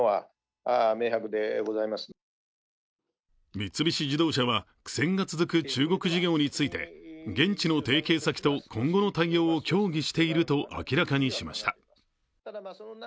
三菱自動車は苦戦が続く中国事業について、現地の提携先と今後の対応を協議していると明らかにしました。